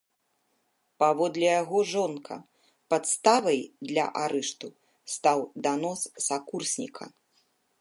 Паводле яго жонка, падставай для арышту стаў данос сакурсніка.